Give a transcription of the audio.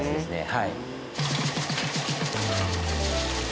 はい。